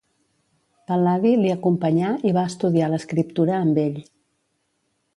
Pal·ladi l'hi acompanyà i va estudiar l'Escriptura amb ell.